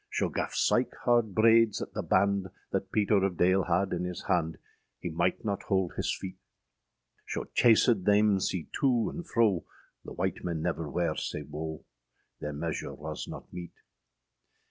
Scho gaf sike hard braydes at the bande That Peter of Dale had in his hande, Hee myght not holde hys feete; Scho chasèd thayme sea to and fro, The wight men never wer sea woe, Ther mesure was not mete.